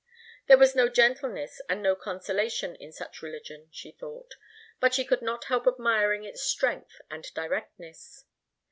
There was no gentleness and no consolation in such religion, she thought, but she could not help admiring its strength and directness.